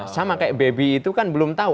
sama kayak baby itu kan belum tahu